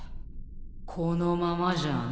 ・このままじゃな。